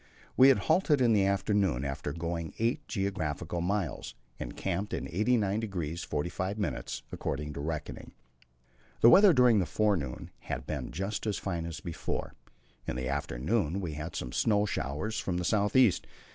We halted in the afternoon, after going eight geographical miles, and camped in 89° 45', according to reckoning. The weather during the forenoon had been just as fine as before; in the afternoon we had some snow showers from the south east.